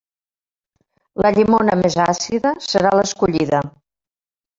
La llimona més àcida serà l'escollida.